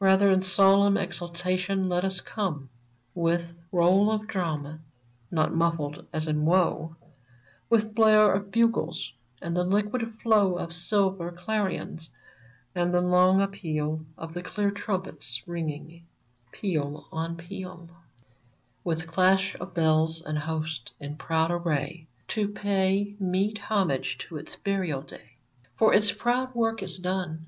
Rather in solemn exaltation let us come. With roll of drum (Not muffled as in woe), With blare of bugles, and the liquid flow Of silver clarions, and the long appeal Of the clear trumpets ringing peal on peal ; With clash of bells, and hosts in proud array, To pay meet homage to its burial day ! For its proud work is done.